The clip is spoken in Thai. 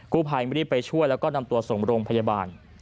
ผู้ภัยไม่ได้ไปช่วยแล้วก็นำตัวส่งโรงพยาบาล